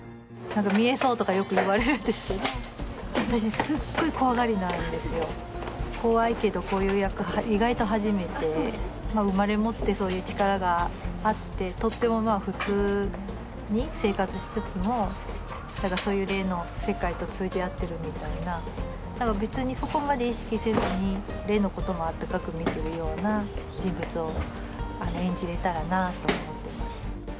見えそうとかよく言われるんですけど私すっごい怖がりなんですよ怖いけどこういう役意外と初めて生まれ持ってそういう力があってとっても普通に生活しつつもそういう霊の世界と通じ合ってるみたいなだから別にそこまで意識せずに霊のことも温かく見てるような人物を演じれたらなと思ってます